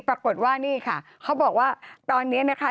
ปรากฏว่านี่ค่ะเขาบอกว่าตอนนี้นะคะ